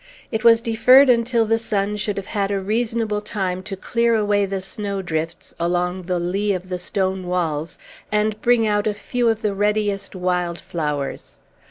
It was deferred until the sun should have had a reasonable time to clear away the snowdrifts along the lee of the stone walls, and bring out a few of the readiest wild flowers.